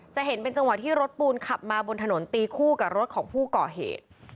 จะเห็นเป็นจังหวะที่รถปูนขับมาบนถนนตีคู่กับรถของผู้ก่อเหตุ